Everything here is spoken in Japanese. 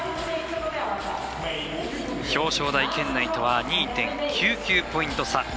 表彰台圏内とは２．９９ポイント差。